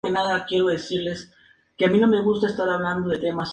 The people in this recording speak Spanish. Los primeros aeroplanos de los Hermanos Wright eran de este tipo.